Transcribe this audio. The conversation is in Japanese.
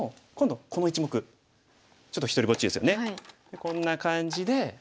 こんな感じで。